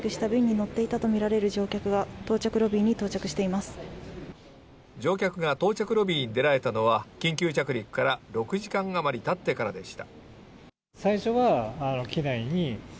乗客が到着ロビーに出られたのは緊急着陸から６時間余りたってからでした。